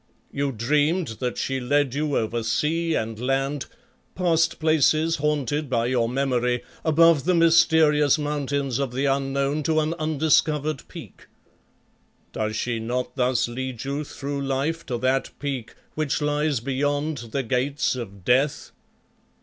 You dreamed that she led you over sea and land, past places haunted by your memory, above the mysterious mountains of the Unknown to an undiscovered peak. Does she not thus lead you through life to that peak which lies beyond the Gates of Death?